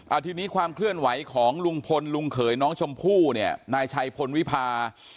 ทีนี้ความเคลื่อนไหวของลุงพลลุงเขยน้องชมพู่เนี่ยนายชัยพลวิพา